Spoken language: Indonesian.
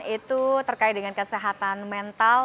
itu terkait dengan kesehatan mental